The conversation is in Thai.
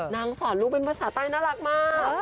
สอนลูกเป็นภาษาใต้น่ารักมาก